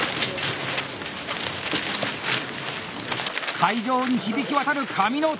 会場に響き渡る紙の音！